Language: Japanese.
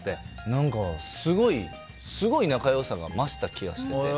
何か、すごい仲良さが増した気がしてて。